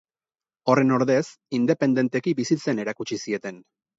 Horren ordez, independenteki bizitzen erakutsi zieten.